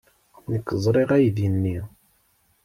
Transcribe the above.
Nekk ẓriɣ aydi-nni.